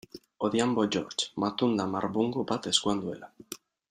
Odhiambo George, matunda marbungu bat eskuan duela.